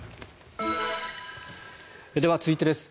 では続いてです。